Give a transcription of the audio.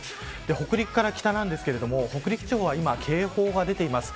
北陸から北なんですが北陸地方は今警報が出ています。